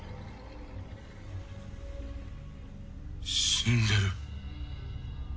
死んでる。